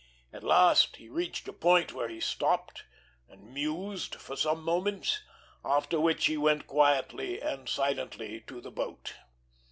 At last he reached a point where he stopped and mused for some moments, after which he went quietly and silently to the boat.